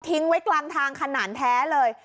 ไว้กลางทางขนาดแท้เลย